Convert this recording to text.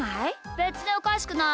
べつにおかしくない。